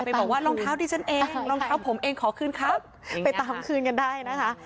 บอกว่ารองเท้าดิฉันเองรองเท้าผมเองขอคืนครับไปตามคืนกันได้นะคะ